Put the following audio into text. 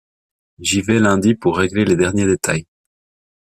J’y vais lundi pour régler les derniers détails.